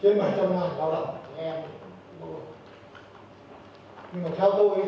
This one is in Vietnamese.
trong trong các hành vi vụ xâm hại trẻ em tr feljack làm đầu tiên gây tới chiến đấu trường hợp culturally yến